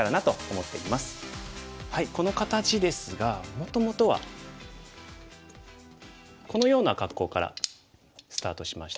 この形ですがもともとはこのような格好からスタートしましたね。